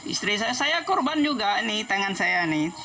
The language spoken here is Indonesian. istri saya korban juga ini tangan saya ini